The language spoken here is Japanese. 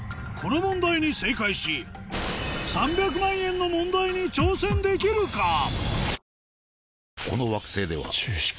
この問題に正解し３００万円の問題に挑戦できるか？